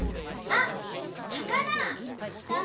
あっさかだ！